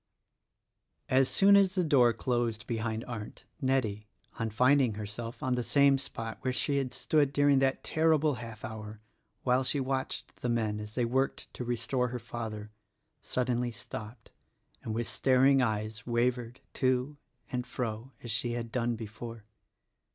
As soon as the door closed behind Arndt, Nettie, on finding herself on the same spot where she had stood during that terrible half hour while she watched the men as they worked to restore her father, suddenly stopped, and with staring eyes wavered to and fro as she had done before.